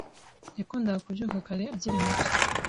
Yakundaga kubyuka kare akiri muto.